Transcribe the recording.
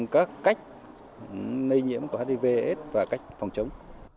các cách nây nhiễm của hiv aids và cách phòng chống